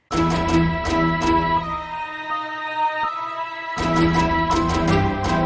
ก็ไม่น่าจะดังกึ่งนะ